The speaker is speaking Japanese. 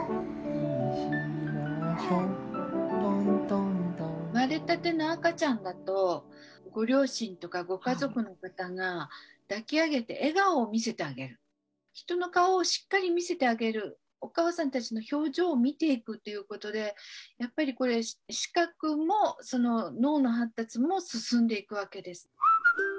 生まれたての赤ちゃんだとご両親とかご家族の方が抱き上げて笑顔を見せてあげる人の顔をしっかり見せてあげるお母さんたちの表情を見ていくということでやっぱりこれ視覚も脳の発達も進んでいくわけです。